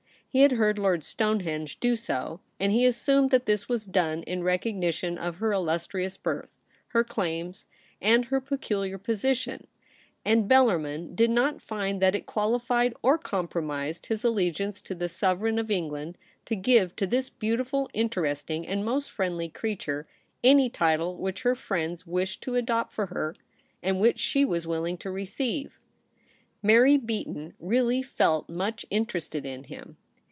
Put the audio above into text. He had heard Lord Stonehenge do so, and he assumed that this was done in recognition of her illustrious birth, her claims, and her peculiar position ; and Bellarmin did not find that it qualified or compromised his allegiance to the Sovereign of England to give to this beautiful, interest ing and most friendly creature any title which her friends wished to adopt for her, and which she was willing to receive. Mary Beaton really felt much interested in him.